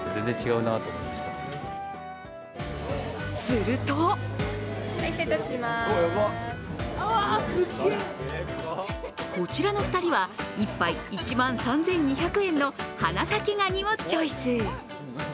するとこちらの２人は１杯１万３２００円の花咲ガニをチョイス。